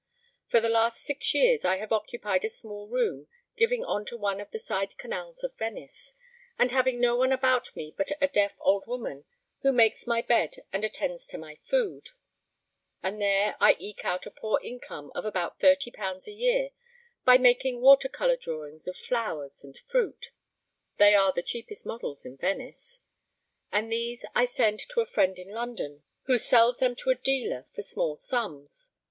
For the last six years I have occupied a small room, giving on to one of the side canals of Venice, and having no one about me but a deaf old woman, who makes my bed and attends to my food; and there I eke out a poor income of about thirty pounds a year by making water colour drawings of flowers and fruit (they are the cheapest models in Venice), and these I send to a friend in London, who sells them to a dealer for small sums.